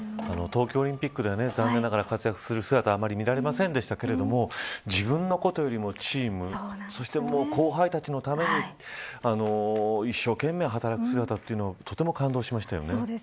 東京オリンピックでは残念ながら、活躍する姿はあまり見られませんでしたが自分のことよりもチームそして後輩たちのために一生懸命働く姿というのはとても感動しましたよね。